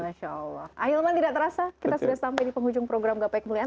masya allah ahilman tidak terasa kita sudah sampai di penghujung program gapai kemuliaan